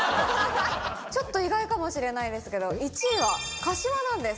ちょっと意外かもしれないですけど１位は柏なんです。